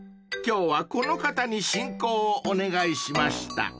［今日はこの方に進行をお願いしました］